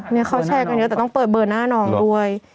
เนี่ยเขาแชร์กันเยอะแต่ต้องเปิดเบอร์หน้าน้องด้วย